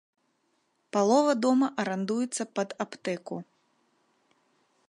Палова дома арандуецца пад аптэку.